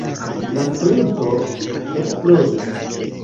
La princo eksplodis.